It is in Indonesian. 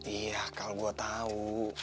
iya kal gua tau